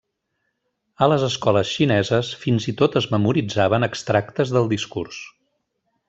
A les escoles xineses fins i tot es memoritzaven extractes del discurs.